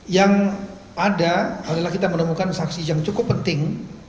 yang ada adalah kita menemukan saksi yang cukup penting